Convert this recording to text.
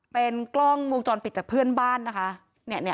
เป็นกล้องวงจรปิดจากเพื่อนบ้านนะคะ